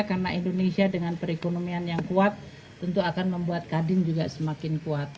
karena indonesia dengan perekonomian yang kuat tentu akan membuat kadin juga semakin kuat